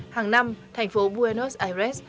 hàng năm thành phố buenos aires